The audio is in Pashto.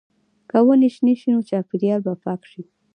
که ونې شنې شي، نو چاپېریال به ښکلی شي.